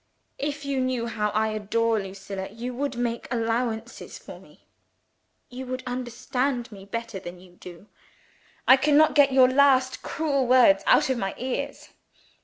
If you knew how I adore Lucilla, you would make allowances for me you would understand me better than you do. I cannot get your last cruel words out of my ears.